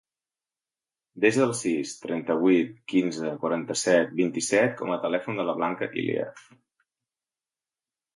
Desa el sis, trenta-vuit, quinze, quaranta-set, vint-i-set com a telèfon de la Blanca Iliev.